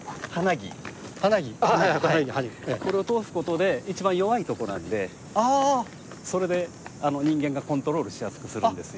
これを通すことで一番弱いとこなんでそれで人間がコントロールしやすくするんですよ。